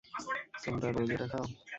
তোমরা রোজ এটা খাও?